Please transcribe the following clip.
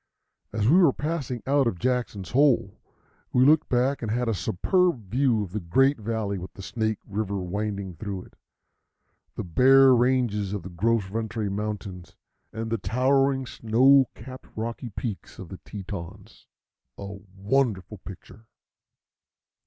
As we were passing out of Jackson's Hole, we looked back and had a superb view of the great valley with the Snake River winding through it, the bare ranges of the Gros Ventre Mountains, and the towering snow capped rocky peaks of the Tetons a wonderful picture.